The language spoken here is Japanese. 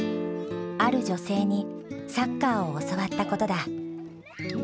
ある女性にサッカーを教わったことだ。